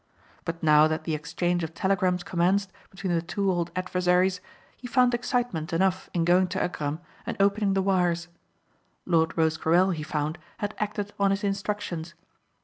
But now that the exchange of telegrams commenced between the two old adversaries he found excitement enough in going to Agram and opening the wires. Lord Rosecarrel, he found, had acted on his instructions.